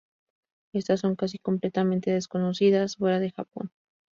Estas son casi completamente desconocidas fuera de Japón.